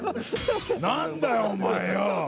何だよお前よ！